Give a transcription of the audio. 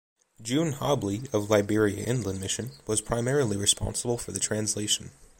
June Hobley, of Liberia Inland Mission, was primarily responsible for the translation.